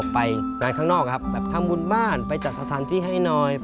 ไปงานข้างนอกครับแบบทำบุญบ้านไปจัดสถานที่ให้หน่อย